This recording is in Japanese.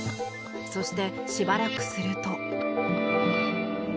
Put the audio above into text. そして、しばらくすると。